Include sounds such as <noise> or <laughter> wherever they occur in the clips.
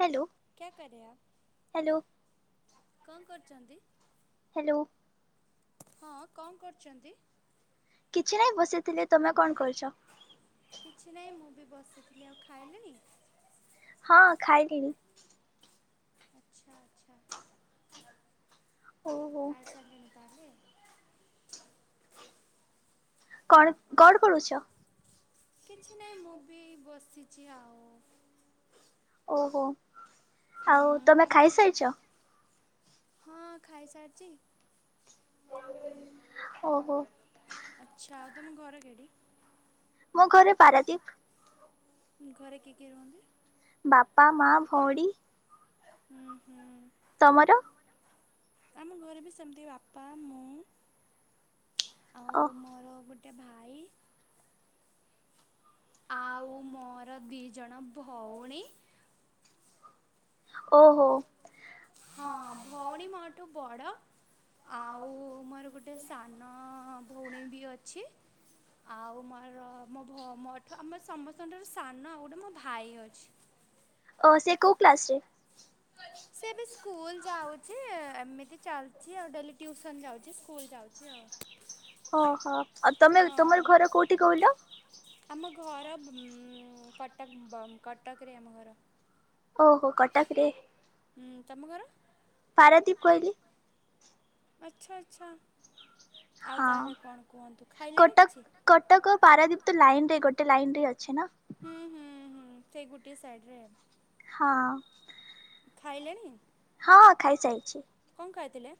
Hello କ୍ୟା <unintelligible> hello କଣ କରୁଚନ୍ତି? ହ୍ୟାଲୋ। ହଁ କଣ କରୁଚନ୍ତି? କିଛି ନାହିଁ ବସିଥିଲି ତମେ କଣ କରୁଚ? କିଛି ନାହିଁ ମୁଁ ବି ବସିଥିଲି ଆଉ ଖାଇଲେଣି? ହଁ ଖାଇଲିଣି। ଆଚ୍ଛା ଆଚ୍ଛା। ଓହୋ ଖାଇସାରିଲେଣି ତାହେଲେ। କଣ କଣ କରୁଛ? କିଛି ନାହିଁ ମୁଁ ବି ବସିଚି ଆଉ। ଓହୋ ହୁଁ। ଆଉ ତମେ ଖାଇସାରିଚ? ହଁ ଖାଇସାରିଚି। ଓ ହୋ। ହଁ ତମ ଘର <unintelligible> ମୋ ଘର ପାରାଦ୍ୱୀପ। ଘରେ କିଏ କିଏ ରହନ୍ତି? ବାପା, ମା, ଭଉଣୀ। ହୁଁ ହୁଁ। ତମର? ଆମ ଘରେ ବି ସେମିତି ବାପା ମୁଁ। ଆଉ ଓ ମୋର ଗୋଟେ ଭାଇ। ଆଉ ମୋର ଦି ଜଣ ଭଉଣୀ। ଓହୋ ହଁ ଭଉଣୀ ମୋଠୁ ବଡ଼। ଆଉ ମୋର ଗୋଟେ ସାନ ଭଉଣୀ ବି ଅଛି। ଆଉ ମୋର ମୋ ଭ ମୋଠୁ ଆମ ସମସ୍ତଙ୍କଠାରୁ ସାନ ଆଉ ଗୋଟେ ମୋ ଭାଇ ଅଛି। ଓ ସେ କୋଉ କ୍ଲାସରେ? ସେ ଏବେ ସ୍କୁଲ ଯାଉଚି ଏ ଏମିତି ଚାଲିଚି ଆଉ ଡେଲି ଟ୍ୟୁସନ୍ ଯାଉଚି ସ୍କୁଲ୍ ଯାଉଛି ଆଉ। ଓ ହୋ ଆଉ ତମେ ହଁ ତମର ଘର କୋଉଠି କହିଲ? ଆମ ଘର ଉଁ କଟକ <unintelligible> କଟକରେ ଆମ ଘର। ଓହୋ କଟକରେ। ହୁଁ ତମ ଘର? ପାରାଦ୍ଵୀପ କହିଲି। ଆଚ୍ଛା ଆଚ୍ଛା। ଆଉ ହଁ ତାହେଲେ କଣ କୁହନ୍ତୁ ଖାଇଲେଣି କିଛି? କଟକ କଟକ ପାରାଦ୍ଵୀପ ତ ଲାଇନ୍ ରେ ଗୋଟେ ଲାଇନ୍ ରେ ଅଛି ନା। ହୁଁ ହୁଁ ହୁଁ ସେଇ ଗୋଟିଏ ସାଇଡ଼ିରେ ରେ ଆଉ। ହଁ। ଖାଇଲେଣିି? ହଁ ଖାଇସାଇଛି। ଉଁ ଖାଇଥିଲେ?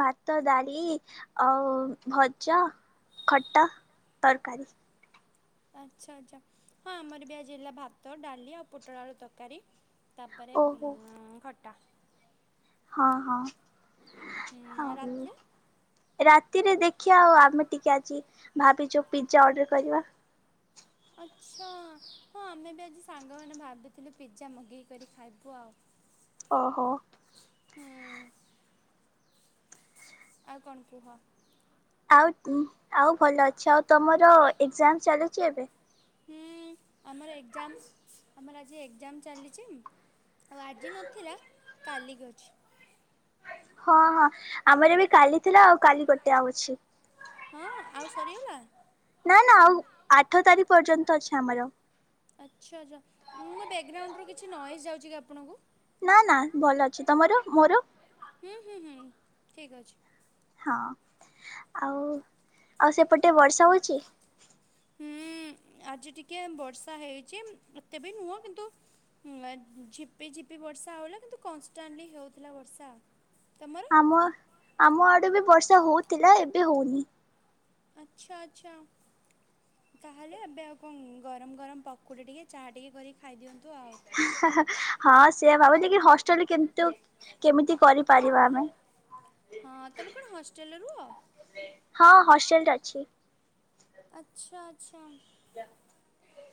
ଭାତ, ଡାଲି, ଆଉ ଭଜା। ଖଟା, ତରକାରୀ। ଆଚ୍ଛା ଆଚ୍ଛା ହଁ ଆମର ବି ଆଜି ହେଇଥିଲା ଭାତ, ଡାଲି, ଆଉ ପୋଟଳ ଆଳୁ ତରକାରୀ। ତାପରେ ଓହୋ ଉଁ ଖଟା। ହଁ ହଁ। ହୁଁ ରାତିରେ ହୋଉ ରାତିରେ ଦେଖିଆ ଆଉ ଆମେ ଟିକେ ଆଜି ଭାବିଚୁ ପିଜ୍ଜା ଅର୍ଡର କରିବା। ଆଚ୍ଛା ହଁ ଆମେ ବି ଆଜି ସାଙ୍ଗମାନେ ଭାବିଥିଲୁ ପିଜ୍ଜା ମଗେଇକରି ଖାଇବୁ ଆଉ। ଓହୋ। ହୁଁ ଆଉ କଣ କୁହ? ଆଉ ଉଁ ଆଉ ଭଲ ଅଛ ଆଉ ତମର ଏଗଜାମସ୍ ଚାଲିଚି ଏବେ? ହୁଁ ଆମର ଏଗଜାମସ୍ ଆମର ଆଜି ଏଗଜମ୍ ଚାଲିଚି। ଆଉ ଆଜି ନଥିଲା କାଲିକି ଅଛି। ହଁ ହଁ ଆମର ବି କାଲି ଥିଲା ଆଉ କାଲି ଗୋଟେ ଆଉ ଅଛି। ହଁ ଆଉ ସରିଗଲା? ନା ନା ଆଉ ଆଠ ତାରିକ୍ ପର୍ଯନ୍ତ ଅଛି ଆମର। ଆଛା ଆଛା ଉଁ ମୋ ବ୍ୟାକଗ୍ରାଉଣ୍ଡରୁ କିଛି ନଏଜ୍ ଯାଉଚି କି ଆପଣଙ୍କୁ? ନା ନା ଭଲ ଅଛି ତମର ମୋର? ହୁଁ ହୁଁ ହୁଁ ଠିକ୍ ଅଛି। ହଁ ଆଉ ଆଉ ସେପଟେ ବର୍ଷା ହୋଉଚି? ଛା ହଁ। ହୁଁ ଆଜି ଟିକିଏ ବର୍ଷା ହେଇଚି ଉମ୍ ଏତେବି ନୁହଁ କିନ୍ତୁ ହୁଁ ଆଏ ଝିପି ଝିପି ବର୍ଷା ହୋଉଲା କିନ୍ତୁ କନ୍‌ଷ୍ଟାଣ୍ଟଲି ହୋଉଥୁଲା ବର୍ଷା ଆଉ। ଆମ ଆମ ଆଡେ ବି ବର୍ଷା ହୋଉଥିଲା ଏବେ ହୋଉନି। ଆଚ୍ଛା ଆଚ୍ଛା। କାହେଲେ ଏବେ ଆଉ କଣ ଗରମ ଗରମ ପକୁଡି ଟିକେ ଚାହା ଟିକେ କରିକି ଖାଇଦିଅନ୍ତୁ। ଆଉ। <inaudible> ହା ହା ହଁ ସେଇଆ ଭାବିଲି କି ହଷ୍ଟେଲ କିନ୍ତୁ କେମିତି କରିପାରିବା ଆମେ। ହଁ ତମେ କଣ ହଷ୍ଟେଲରେ ରୁହ? କ୍ ଅଛି। ଆଚ୍ଛା ଆଚ୍ଛା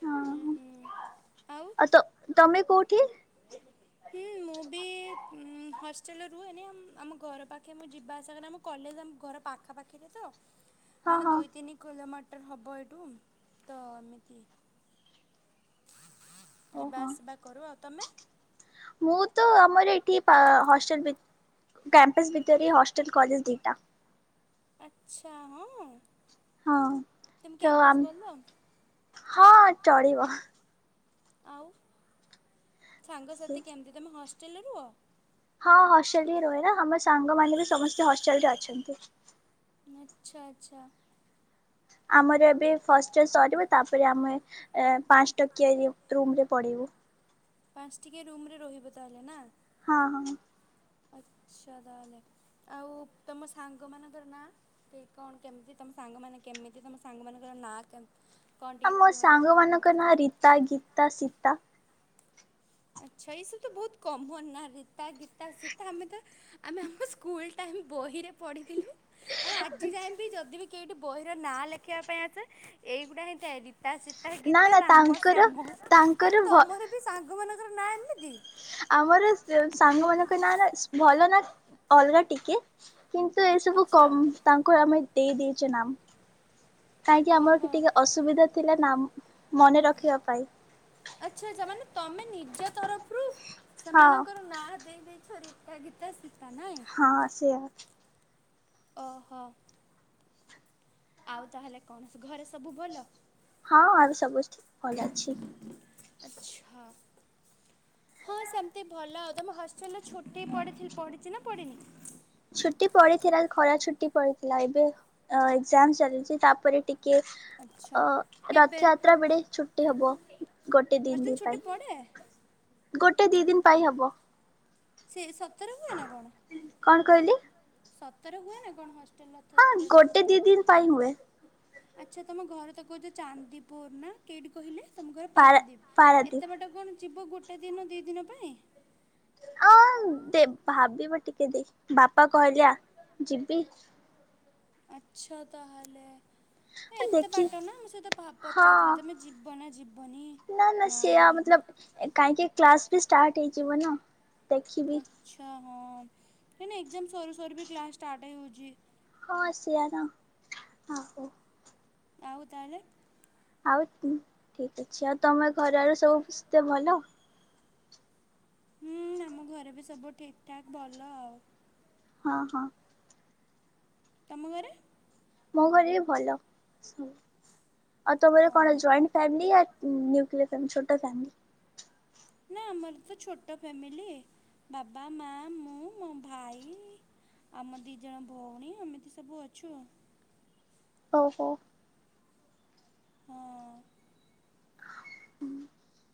ହଁ ଉଁ ହୁଁ। ଆଉ ତୋ ତମେ କୋଉଠି? ହୁଁ ମୁଁ ବି ହଷ୍ଟେଲରେ ରୁହେନି ଆମ ଘର ପାଖେ ମୁଁ ଏଇ ଯିବା ଆସିଆ କରେ ଆମ କଲେଜ ଆମ ଘର ପାଖାପାଖିରେ ତ। ହଁ ମାନେ ହଁ ଦୁଇ ତିନି କିଲମା ଟର୍ ହବ ଏଠୁ ତ ଏମିତି। ଯିବା ଓହୋ ଆସିବା କରୁ ଆଉ ତମେ? ମୁଁ ତ ଆମର ଏଠି ପା ହଷ୍ଟେଲ ଭି କ୍ୟାମ୍ପସ୍ ଭିତରେ ଏ ହଷ୍ଟେଲ କଲେଜ ଦିଇଟା। ଆଛା ହଁ। ହଁ ତମେ ତ କ୍ୟାମ୍ପସ୍ ଆମ୍ ଭଲ ହଁ ଚଳିବ। ଆଉ ସାଙ୍ଗସାଥି କେମତି ତମେ ହଷ୍ଟେଲରେ ରୁହ? ହଁ ହଷ୍ଟେଲରେ ହିଁ ରହେ ନା ଆମ ସାଙ୍ଗମାନେ ବି ସମସ୍ତେ ହଷ୍ଟେଲରେ ଅଛନ୍ତି। ଆଛା ଆଛା। ଆମର ଏବେ ଫାଷ୍ଟ ଇୟର୍ ସରିବ ତାପରେ ଆମେ ଏ ପାଞ୍ଚ ଟକିଆ ରି ରୁମରେ ପଢ଼ିବୁ। ଉ ପାଞ୍ଚ ଟିକିଆ ରୁମରେ ରହିବ ତାହେଲେ ନା? ହଁ ହଁ ହଁ। ଆ୍ଛ। <inaudible> ଆଛା ତାହେଲେ ଆଉ ତମ ସାଙ୍ଗ ମାନଙ୍କର ନାଁ କେ କଣ କେମିତି ତମ ସାଙ୍ଗମାନେ କେ କେମିତି ତମ ସାଙ୍ଗ ମାନଙ୍କର ନାଁ କେମ ଆ ମୋ ସାଙ୍ଗ ମାନଙ୍କ ନାଁ ରୀତା, ଗୀତା, ସୀତା। ଆଚ୍ଛା ଏଇ ସବୁ ତ ବହୁତ କମନ ନା ରୀତା, ଗୀତା, ସୀତା ଆମେ ତ ଆମେ ଆମ ସ୍କୁଲ ଟା ହୁଁ ବହିରେ ପଢ଼ିଥିଲୁ। ଆଉ ଆଜି ଯାଏ ବି ଯଦି ବି କେହି ଏଠି ବହିର ନାଁ ଲେଖିବା ପାଇଁ ଆସେ ଏଇଗୁଡା ହିଁ ଥାଏ ରିତା, ସୀତା, ନା ଗୀତା, ନା ରାମ, ତାଙ୍କର ଶ୍ୟାମ ତାଙ୍କର ତାହେଲେ ଭ ତମର ବି ସାଙ୍ଗ ମାନଙ୍କର ନାଁ ଏମିତି। ଆମର ସାଙ୍ଗ ମାନଙ୍କ ନାଁ ରା ନା ଭଲ ନା ଅଲଗା ଟିକେ। କିନ୍ତୁ ଏସବୁ ଆଚ୍ଛା କମ ତାଙ୍କୁ ଆମେ ଦେଇ ଦେଇେଛେ ନାମ କାହିଁକି ଆମରବି କି ଓହୋ। ଟିକେ ଅସୁବିଧା ଥିଲା ନା ମନେ ରଖିବା ପାଇଁ। ଆଚ୍ଛା ଆଛା ମାନେ ତମେ ନିଜ ତରଫରୁ ହଁ ସେମାନଙ୍କର ନାଁ ଦେଇଦେଇ ଶୋ ରିତା ଗୀତା ସୀତା ନା। ହଁ ସେୟା। ଅହୋ। ଆଉ ତାହେଲେ କଣ ଘରେ ସବୁ ଭଲ। ହଁ ଆଉ ସବୁ ଠିକ ଭଲ ଅଛି। ଆଚ୍ଛା। ହଁ ସେମିତି ଭଲ ଆଉ ତମ ହଷ୍ଟେଲ ଛୁଟି ପଡିଚି ନା ପଡିନି। ଛୁଟି ପଡିଥିଲା ଖରା ଛୁଟି ପଡିଥିଲା ଏବେ ଏକ୍ଜାମ ଚାଲିଛି ତାପରେ ଟି କି ଆଚ୍ଛା ଅ କେବେ ରଥଯାତ୍ରା ବେଡେ ଛୁଟି ହବ। ଗୋଟେ ଦିନ ହଷ୍ଟେଲ ଦି ଛୁଟି ପଡ଼େ ପାଇଁ ଗୋଟେ ଦି ଦିନ ପାଇଁ ହବ। ସେ ସତ କଣ କହିଲେ? ସତରେ ହୁଏ ନା କଣ ହ ହଁ ଗୋଟେ ଦି ଦିନ ପାଇଁ ହୁଏ। ଆଚ୍ଛା ତମ ଘର ତ କହୁଛ ଚାନ୍ଦିପୁର ନା କେହିଠି କହିଲେ। ତମ ଘର ପାରା ପାରାଦୀପ ପାରାଦୀପ ଏତେ ବାଟ କଣ ଯିବ ଗୋଟେ ଦିନ ଦି ଦିନ ପାଇଁ? ଆ। ଆ ଦେ ଭାବିବ ଟିକେ ଦେଇ ବାପା କହିଲେ ଆ ଯିବି। ଆଚ୍ଛା ତାହଲେ। ହ <inaudible> ଏତେ ବାଟ ନା ମୁଁ ସେଇଥ ପଚାରୁଥିଲି ତମେ ଜୀବ ନା ଜିବନି ନା ରହିବ। କାହିଁକି କ୍ଲାସ ବି ଷ୍ଟାର୍ଟ ହେଇଯିବ ନା। ଦେଖିବି ଆଛା ହଁ ନାଇଁ ନାଇଁ ଏଗେଯାମ୍ ସରୁ ସରୁ ବି କ୍ଲାସ ଷ୍ଟାର୍ଟ ହେଉଚି। ହଁ ସେଆତ ଆହୋ। ଆଉ ତାହେଲେ। ଆଉ ଠିକ୍ ଅଛି ଆଉ ତମ ଘରର ସବୁ କିଛି ତ ଭଲ। ହୁଁ ଆମ ଘରେ ବି ସବୁ ଠିକ୍ ଠାକ୍ ଭଲ ଆଉ। ହଁ ହଁ। ତମ ଘରେ। ମୋ ଘରେ ବି ଭଲ ସବୁ ଆଉ ତମର ହଁ କଣ ନା ଜଏଣ୍ଟ ଫ୍ୟାମିଲି ୟା ନ୍ୟୁକ୍ଲିୟର ଛୋଟ ଫ୍ୟାମିଲି। ନା ଆମର ତ ଛୋଟ ଫ୍ୟାମିିଲି। ବାବା ମା ମୁଁ ମୋ ଭାଇ। ଆମ ଦି ଜଣ ଭଉଣୀ ଆମେତ ସବୁ ଅଛୁ ଆଉ। ଓହୋ। ହଁ। ହୁଁ। <inaudible>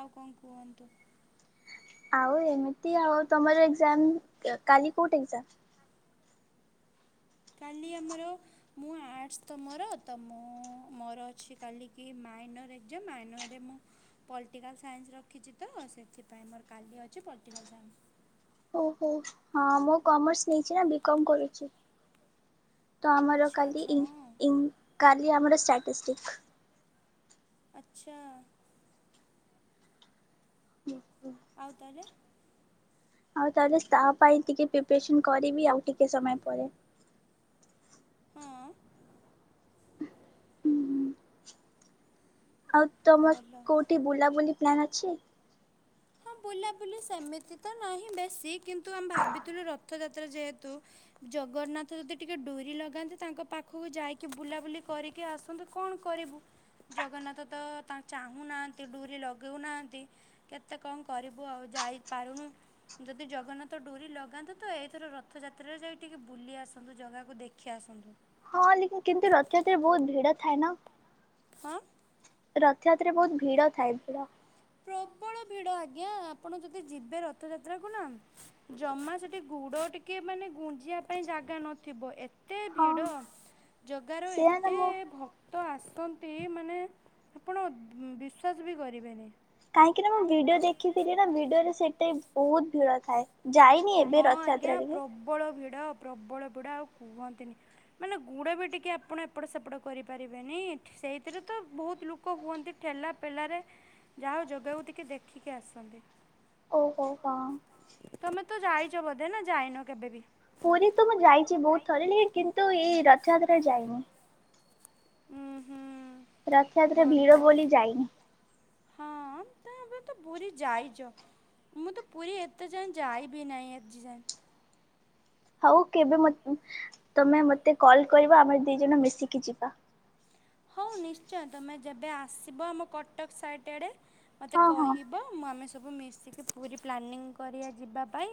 ଆଉ କଣ କୁହନ୍ତୁ। ଆଉ, ଏମିତି ଆଉ। ତମର ଏଗ୍ଜାମ୍ କ-କାଲି କୋଉଟି ଏଗ୍ଜାମ୍? କାଲି ଆମର ହଁ ଅନର୍ସ ତ ମୋର! ତ ମୁଁ ମୋର ଅଛି, କାଲିକି ମାଇନର୍ ଏକ୍ଜାମ। ମାଇନର୍ ରେ ମୁଁ ପଲିଟିକାଲ୍ ସାଇନ୍ସ୍ ରଖିଛି ତ! ସେଥିପାଇଁ ମୋର କାଲି ଅଛି, ପଲିଟିକାଲ୍ ସାଇନ୍ସ୍। ଓହୋ! ହଁ, ମୁଁ କମର୍ସ ନେଇଛି ନା ବିକମ୍ କରୁଛି। ତ ଆମର ଆଚ୍ଛା କାଲି ଆଚ୍ଛା ହଁ ଇଙ୍ଗ୍ ଇଙ୍ଗ୍ କାଲି ଆମର ଷ୍ଟାଟିସ୍ଟିକ୍। ଆଚ୍ଛା। ଆଉ ତାହେଲେ ଆଉ, ତାହେଲେ ତା ପାଇଁ ଟିକେ ପ୍ରିପ୍ରେସନ କରିବି, ଆଉ ଟିକେ ସମୟ ପରେ। ହଁ। ହୁଁ, ହୁଁ, ଆଉ ତମର ଭଲ କୋଉଠି ବୁଲାବୁଲି ପ୍ଲାନ୍ ଅଛି? ହଁ, ବୁଲାବୁଲି ସେମିତି ତ ନାହିଁ ବେଶୀ। କିନ୍ତୁ ଆମେ ଭାବିଥିଲୁ ରଥଯାତ୍ରା ଯେହେତୁ ଜଗନ୍ନାଥ ଯଦି ଟିକେ ଡ଼ୁରି ଲଗାନ୍ତେ। ତାଙ୍କ ପାଖକୁ ଯାଇକି ବୁଲାବୁଲି କରିକି ଆସନ୍ତୁ। କଣ କରି କରିବୁ, ଜଗନ୍ନାଥ ତ ଚାହୁଁ ନାହାଁନ୍ତି। ଡ଼ୁରି ଲଗଉ ନାହିଁନ୍ତି। କେତେ କଣ କରିବୁ ଆଉ, ଯାଇପାରୁନୁ। ଯଦି ଜଗନ୍ନାଥ ଡ଼ୁରି ଲଗାନ୍ତେ ତ, ଏଇଥର ରଥଯାତ୍ରାରେ ଯାଇ ଟିକେ ବୁଲି ଆସନ୍ତୁ। ଜାଗାକୁ ଦେଖି ଆସନ୍ତୁ। ହଁ, ଲିକି କିନ୍ତୁ, ରଥଯାତ୍ରାରେ ବହୁତ ଭିଡ଼ ଥାଏ ନା? ଆଁ। ରଥଯାତ୍ର ରେ ବହୁତ ଭିଡ଼ ଥାଏ ଭିଡ଼। ପ୍ରବଳ ଭିଡ ଆଜ୍ଞା! ଆପଣ ଯଦି ଯିବେ ରଥଯାତ୍ରା କୁ ନା ଜମା ସେଠି ଗୁଡ଼ ଟିକେ ମାନେ ମାନେ ଗୁଞ୍ଜିବା ପାଇଁ ଜାଗା ନଥିବ। ଏତ୍ ଏତେ ହଁ ଭିଡ଼! ଜଗାର ସେୟା ନା ଏତେ ମୁଁ ଭକ୍ କ୍ତ ଆସନ୍ତି। ମାନେ ଆପଣ ବିଶ୍ୱାସ ବି କରିବେନି! କାହିଁକି ନା, ମୁଁ ଭିଡ଼ିଓ ଦେଖିଥିଲି ନା ଭିଡ଼ିଓରେ ସେଇଟି ବହୁତ ଭିଡ଼ ଥାଏ। ଯାଇନି, ଏବେ ରଥଯାତ୍ରାରେ ବି? ଡ଼ ପ୍ରବଳ ପିଡ଼ା ଆଉ କୁହନ୍ତିନି। ମାନେ ଗୁଡ ବି ଟିକେ ଆପଣ ଏପଟ ସେପଟ କରିପାରିବେନି। ସେଇଥିରେ ତ ବହୁତ ଲୁକ ହୁଅନ୍ତି, ଠେଲାପେଲାରେ ଯା ହଉ, ଜଗା କୁ ତିକେ ଦେଖିକି ଆସନ୍ତେ। ଓହୋ! ହଁ। ତ ଯାଇଛ ବଧେ ନା ଯାଇନ କେବେ ବିି? ପୁରୀ ତ ମୁଁ ଯାଇଛି ବହୁତ ଥର। ଲେକି କିନ୍ତୁ ଏଇ ରଥଯାତ୍ରାରେ ଯାଇନି। ଉ ହୁଁ। ରଥଯାତ୍ରା ଭଲ ଭିଡ଼ ବୋଲି ଯାଇନି। ତ ଏବେଁ ତ ପୁରୀ ଯାଇଚ? ମୁଁ ତ ପୁରୀ ଏତେ ଯାଏଁ ଯାଇବି ନାହିଁ। ଆଜି ଯାଏଁ। ହଉ, କେବେ ମ ତମେ ମତେ କଲ୍ କରିବ। ଆମେ ଦି ଜଣ ମିଶିକି ଯିବା। ହଉ ନିଶ୍ଚୟ! ତମେ ଯେବେ ଆସିବ, ଆମ କଟକ ସାଇଟ ଆଡ଼େ। ମତେ ହଁ ହଁ କହିବ, ମୁଁ ଆମେ ସ ସବୁ ମିଶିକି ପୁରୀ ପ୍ଲାନିଙ୍ଗ୍ କରିବା ଯିବା ପାଇଁ।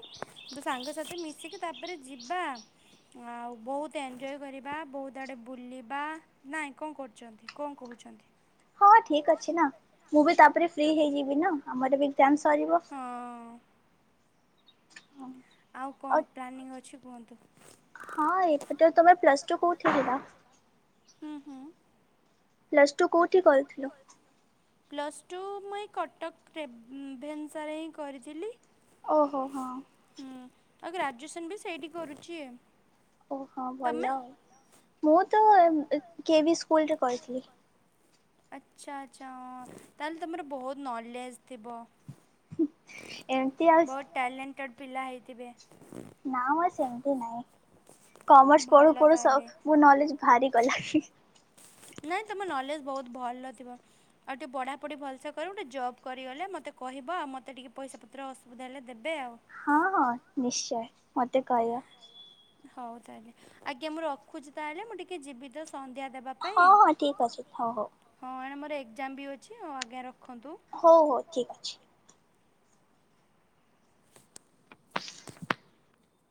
ସାଙ୍ଗସାଥୀ ମିଶିକି ତାପରେ ଯିବା ଆଉ, ବହୁତ ଏନ୍ଜୟ କରିବା। ବହୁତ ଆଡେ ବୁଲିବା ନାଇଁ। କଣ କରୁଚନ୍ତି? କଣ କହୁଛନ୍ତି? ହଁ, ଠିକ୍ ଅଛି ନା। ମୁଁ ବି ତା'ପରେ ଫ୍ରି ହେଇଯିବି ନା। ଆମର ବି ଏଗ୍ଜାମ ସରିବ। ହଁ। ଆଉ କଣ ପ୍ଲାଲିଂ ଅଛି କୁହନ୍ତୁ? ହଁ ଏପଟେ ତମେ ପ୍ଲସ ଟୁ କୋଉଠି ଥିଲା? ହୁଁ ହୁଁ। ପ୍ଲସ ଟୁ କୋଉଠି କରିଥିଲୁ? ପ୍ଲସ୍ ଟୁ ମୁଁ ଏଇ କଟକ ରେବ୍ ଭେନ୍ସାରେ ହିଁ କରିଥିଲି। ଓହୋ ହୋ ହଁ ହୁଁ, ଆଉ ଗ୍ରାଜୁଏସନ୍ ବି ସେଇଠି କରୁଛି। ଓହୋ ଭଲ ତମେ? ଆଉ, ମୁଁ ତ ଡି ଏ ଭି ସ୍କୁଲରେ କରିଥିଲି। ଆଛା ଆଛା ହଁ ତାହେଲେ ତମର ବହୁତ ନଲେଜ ଥିବ। ଏମିତି ଆଉ ବହୁତ ଟ୍ୟାଲେଣ୍ଟେଡ ପିଲା ହେଇଥିବେ। ନା ମ ସେମିତି ନାହିଁ। କମର୍ସ ଭଲ ପଢୁ ପଢୁ ତାହେଲେ। ସବୁ ନଲେଜ ଭାରିଗଲା। ନାଇଁ ତମ ନଲେଜ ବହୁତ ଭଲ ଥିବ ଆଉ ଟିକେ ପଢାପଢି ଭଲସେ କରିବ ଗଟେ ଜବ କରିଗଲେ ମ ମତେ କହିବ ମତେ ଟିକେ ପଇସାପତ୍ର ଅସବିଧା ହେଲେ ଦେବେ ଆଉ। ହଁ ହଁ ନିଶ୍ଚୟ ମତେ କହିଅ। ହଉ ତାହେଲେ ଆଜ୍ଞା ମୁଁ ରଖୁଛି ତାହେଲେ ମୁଁ ଟିକେ ଯିବି ତ ସନ୍ଧ୍ୟା ଦେବା ପାଇଁ ହଁ ହଁ ଠିକ ଅଛି ହଉ ହଉ। ଏକଜାମ ବି ଅଛି ଆଉ ଆଗେ ହଉ ହଉ ଠିକ ଅଛି।